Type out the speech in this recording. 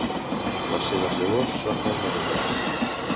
Les seves llavors són molt menudes.